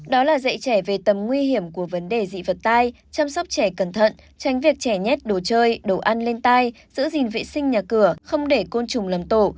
đó là dạy trẻ về tầm nguy hiểm của vấn đề dị vật tai chăm sóc trẻ cẩn thận tránh việc trẻ nhét đồ chơi đồ ăn lên tai giữ gìn vệ sinh nhà cửa không để côn trùng lầm tổ